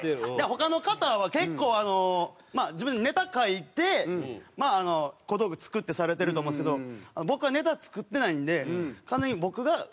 他の方は結構まあ自分でネタ書いてまああの小道具作ってされてると思うんですけど僕はネタ作ってないんで完全に僕が小道具だけ。